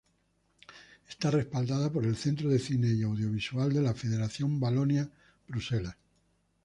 Está respaldada por el Centro de Cine y Audiovisual de la Federación Valonia-Bruselas.